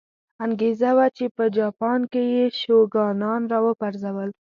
انګېزه وه چې په جاپان کې یې شوګانان را وپرځول.